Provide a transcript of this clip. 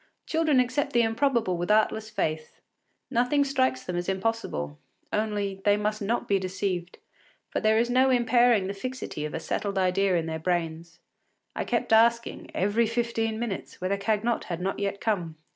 Children accept the improbable with artless faith; nothing strikes them as impossible; only, they must not be deceived, for there is no impairing the fixity of a settled idea in their brains. I kept asking, every fifteen minutes, whether Cagnotte had not yet come.